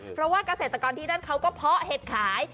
เพราะว่าเกษตรกรที่นั่นเขาก็เพาะเห็ดขาย